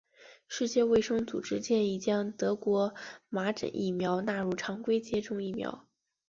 世界卫生组织建议将德国麻疹疫苗纳入常规接种疫苗。